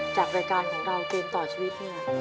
จากรายการของเราเกมต่อชีวิตเนี่ย